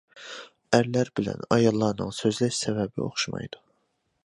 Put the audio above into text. ئەرلەر بىلەن ئاياللارنىڭ سۆزلەش سەۋەبى ئوخشىمايدۇ.